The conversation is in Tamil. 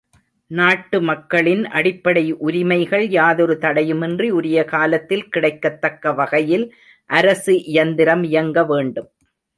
நாட்டு மக்களின் அடிப்படை உரிமைகள் யாதொரு தடையுமின்றி உரிய காலத்தில் கிடைக்கத்தக்க வகையில் அரசு இயந்திரம் இயங்க வேண்டும்.